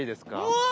うわ！